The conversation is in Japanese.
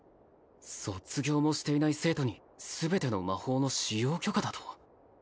卒業もしていない生徒に全ての魔法の使用許可だと？